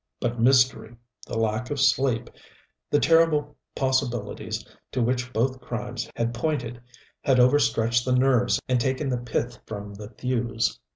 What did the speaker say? But mystery, the lack of sleep, the terrible possibilities to which both crimes had pointed, had over stretched the nerves and taken the pith from the thews.